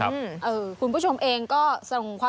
มีกลิ่นหอมกว่า